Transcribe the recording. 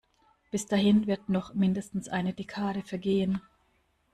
Bis dahin wird noch mindestens eine Dekade vergehen.